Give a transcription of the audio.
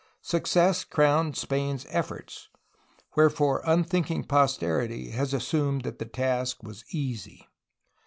Success crowned Spain^s efforts, wherefore unthinking posterity has assumed that the task was easy.